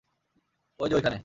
ওই যে ওই খানে।